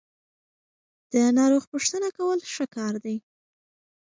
د ناروغ پوښتنه کول ښه کار دی.